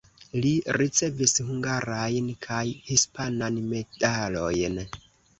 Li ricevis hungarajn kaj hispanan medalojn.